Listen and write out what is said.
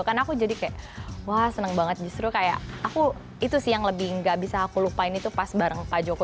karena aku jadi kayak wah seneng banget justru kayak aku itu sih yang lebih gak bisa aku lupain itu pas bareng pak joko